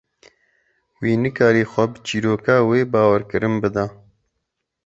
Wî nikarî xwe bi çîroka wê bawerkirin bida.